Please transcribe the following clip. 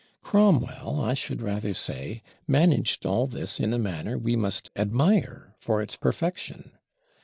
Cromwell, I should rather say, managed all this in a manner we must admire for its perfection.